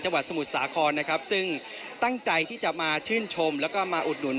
สมุทรสาครนะครับซึ่งตั้งใจที่จะมาชื่นชมแล้วก็มาอุดหนุน